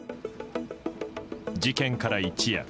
事件から一夜。